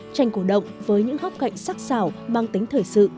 tranh cổ động với những góc cạnh sắc xảo mang tính thời sự